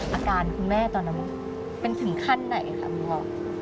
อาการคุณแม่ตอนนั้นเป็นถึงขั้นไหนค่ะบัว